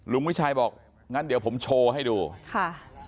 วิชัยบอกงั้นเดี๋ยวผมโชว์ให้ดูค่ะ